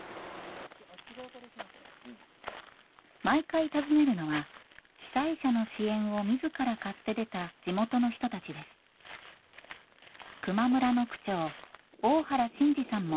毎回訪ねるのは被災者の支援を自ら買って出た地元の人たちです。